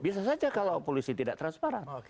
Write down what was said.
bisa saja kalau polisi tidak transparan